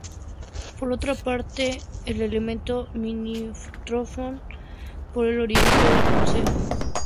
Es por otra parte elemento limítrofe por el oriente del concejo.